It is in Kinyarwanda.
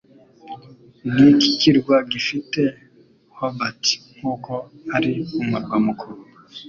Niki Kirwa gifite "Hobart" Nkuko ari Umurwa mukuru